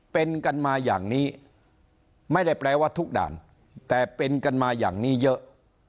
เป็นกันมาอย่างนี้ไม่ได้แปลว่าทุกด่านแต่เป็นกันมาอย่างนี้เยอะ